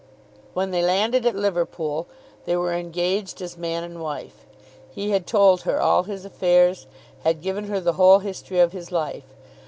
When they landed at Liverpool they were engaged as man and wife. He had told her all his affairs, had given her the whole history of his life.